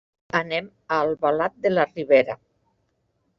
Anem a Albalat de la Ribera.